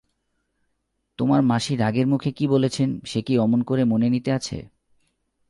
তোমার মাসি রাগের মুখে কী বলেছেন, সে কি অমন করে মনে নিতে আছে।